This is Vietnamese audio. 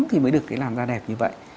thì mới được cái làm da đẹp như vậy